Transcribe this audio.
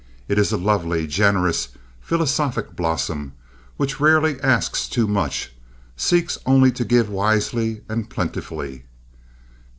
It is a lovely, generous, philosophic blossom which rarely asks too much, and seeks only to give wisely and plentifully.